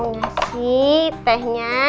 lden enggak bakal rosak